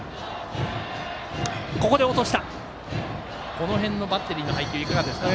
この辺のバッテリーの配球いかがですか。